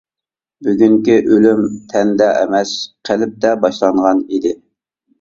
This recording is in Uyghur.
بۈگۈنكى ئۆلۈم تەندە ئەمەس قەلبتە باشلانغان ئىدى.